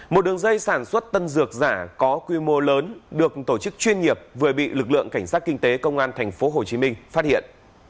một đường dây sản xuất tân dược giả có quy mô lớn được tổ chức chuyên nghiệp vừa bị lực lượng cảnh sát kinh tế công an tp hcm phát hiện